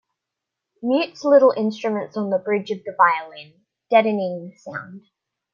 Mutes little instruments on the bridge of the violin, deadening the sound.